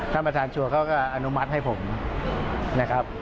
ท่านประธานชัวร์เขาก็อนุมัติให้ผมนะครับ